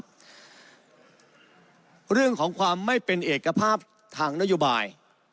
เรื่องของความไม่เป็นเอกภาพทางนโยบาย